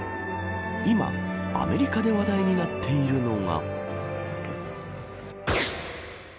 今、アメリカで話題になっているのが。